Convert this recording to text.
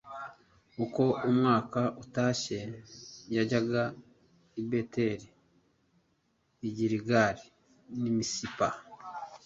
uko umwaka utashye yajyaga i beteli, i giligali n'i misipa